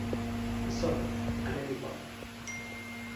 mi sona. ale li pona.